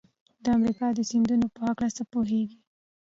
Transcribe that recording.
د امریکا د سیندونو په هلکه څه پوهیږئ؟